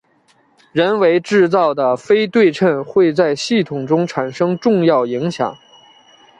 人为制造的非对称会在系统中产生重要影响。